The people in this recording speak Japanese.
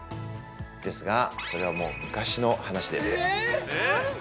ですが、それはもう昔の話です。